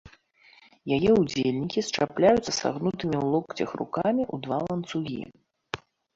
Яе ўдзельнікі счапляюцца сагнутымі ў локцях рукамі ў два ланцугі.